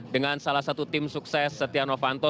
dengan salah satu tim sukses sotiano fanto